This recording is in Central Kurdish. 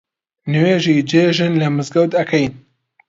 نوێژی جێژن لە مزگەوت ئەکەین